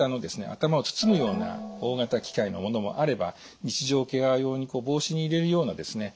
頭を包むような大型機械の物もあれば日常ケア用に帽子に入れるようなですね